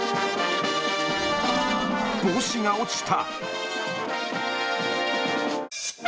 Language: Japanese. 帽子が落ちた。